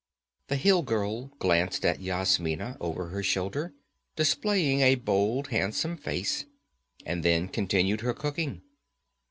The hill girl glanced at Yasmina over her shoulder, displaying a bold, handsome face, and then continued her cooking.